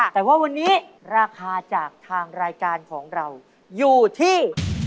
แต่ว่าวันนี้ราคาจากทางรายการของเราอยู่ที่